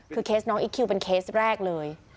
คือเคสน้องอิ๊กคิวเป็นเคสแรกเลย